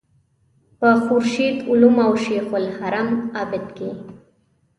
په خورشید علوم او شیخ الحرم عابد کې.